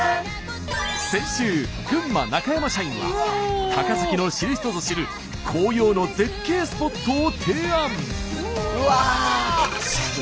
先週群馬中山社員は高崎の知る人ぞ知る紅葉の絶景スポットを提案。